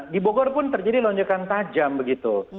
di bogor pun terjadi lonjakan tajam begitu